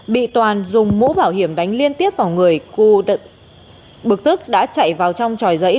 bị toàn dùng mũ bảo hiểm đánh liên tiếp vào người cư bực tức đã chạy vào trong tròi giấy